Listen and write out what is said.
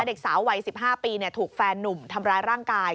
เด็กสาววัย๑๕ปีถูกแฟนนุ่มทำร้ายร่างกาย